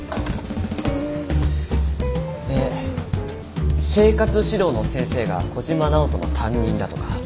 え生活指導の先生が小嶋尚人の担任だとか。